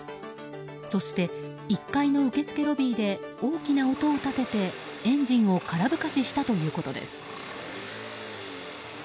そして１階の受付ロビーで大きな音を立ててエンジンを空ぶかししたということです。